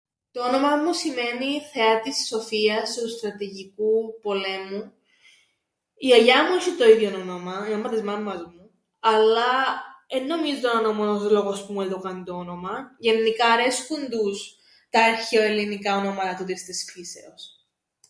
Το όνομαν μου σημαίνει θεά της σοφίας τžαι του στρατηγικού πολέμου. Η γιαγιά μου έσ̆ει το ίδιον όνομαν, η μάμμα της μάμμας μου, αλλά εν νομίζω να 'ν' ο μόνος λόγος που μου εδώκαν το όνομαν. Γεννικά αρέσκουν τους τα αρχαιοελληνικά ονόματα τούτης της φύσεως.